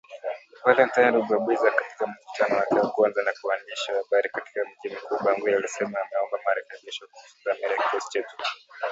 Valentine Rugwabiza katika mkutano wake wa kwanza na waandishi wa habari katika mji mkuu Bangui alisema ameomba marekebisho kuhusu dhamira ya kikosi chetu.